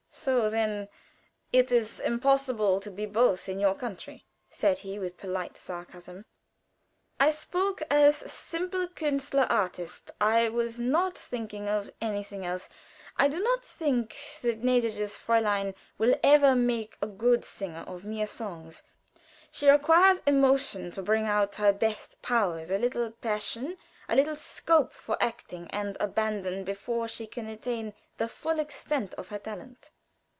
"So! Then it is impossible to be both in your country?" said he, with polite sarcasm. "I spoke as simple Künstler artist I was not thinking of anything else. I do not think the gnädiges Fräulein will ever make a good singer of mere songs. She requires emotion to bring out her best powers a little passion a little scope for acting and abandon before she can attain the full extent of her talent."